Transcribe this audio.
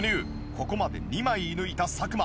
ここまで２枚射抜いた作間。